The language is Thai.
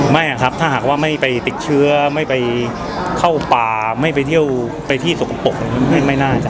ไม่ครับถ้าหากว่าไม่ไปติดเชื้อไม่ไปเข้าป่าไม่ไปเที่ยวไปที่สกปรกไม่น่าจะ